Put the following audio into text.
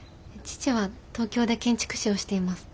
父は東京で建築士をしています。